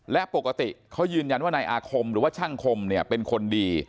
และปกติเขายืนยันว่านายอาคมหรือว่าช่างคมเนี่ยเป็นคนดี